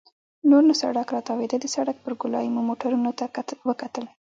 نور نو سړک راتاوېده، د سړک پر ګولایې مو موټرو ته وکتل.